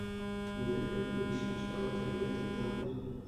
নিজেদের উপর বিশ্বাসটা আবার জাগিয়ে তুলতে হবে।